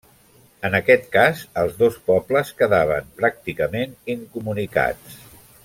En aquest cas, els dos pobles quedaven pràcticament incomunicats.